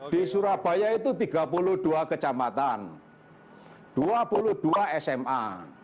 di surabaya itu tiga puluh dua kecamatan dua puluh dua sma